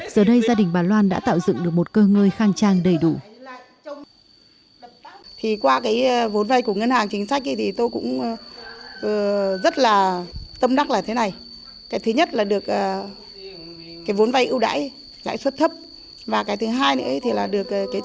giờ đây gia đình bà loan đã tạo dựng được một cơ ngơi khang trang đầy đủ